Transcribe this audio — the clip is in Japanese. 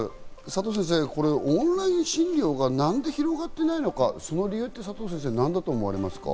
佐藤先生、オンライン診療が何で広がってないのか、その理由って佐藤先生、何だと思われますか？